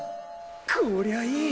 こりゃいい！